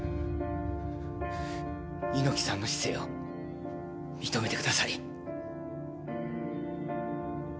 猪木さんの姿勢を認めてください。